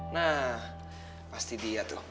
nah pasti dia tuh